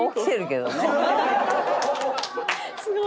すごい。